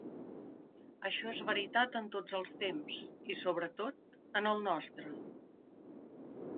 Això és veritat en tots els temps, i sobretot en el nostre.